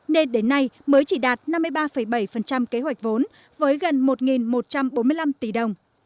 nên đến nay mới chỉ đạt năm mươi ba bảy kế hoạch vốn với gần một một trăm bốn mươi năm tỷ đồng